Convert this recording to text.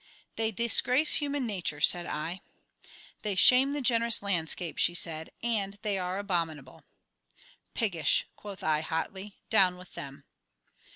"They disgrace human nature," said I. "They shame the generous landscape," she said, "and they are abominable." "Piggish!" quoth I, hotly. "Down with them!"